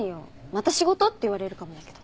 「また仕事？」って言われるかもだけど。